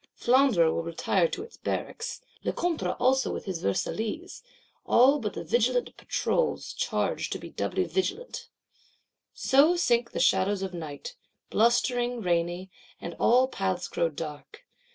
Flandre will retire to its barracks; Lecointre also with his Versaillese,—all but the vigilant Patrols, charged to be doubly vigilant. So sink the shadows of Night, blustering, rainy; and all paths grow dark.